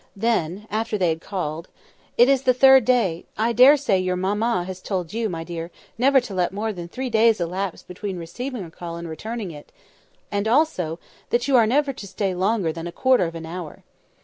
Then, after they had called— "It is the third day; I dare say your mamma has told you, my dear, never to let more than three days elapse between receiving a call and returning it; and also, that you are never to stay longer than a quarter of an hour."